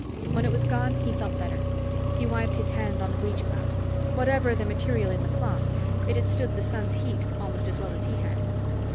When it was gone, he felt better. He wiped his hands on the breechclout. Whatever the material in the cloth, it had stood the sun's heat almost as well as he had.